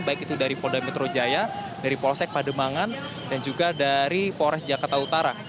baik itu dari polda metro jaya dari polsek pademangan dan juga dari polres jakarta utara